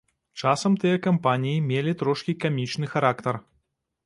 Часам тыя кампаніі мелі трошкі камічны характар.